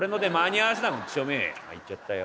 「あっ行っちゃったよ。